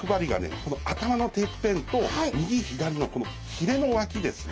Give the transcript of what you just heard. この頭のてっぺんと右左のこのひれの脇ですね。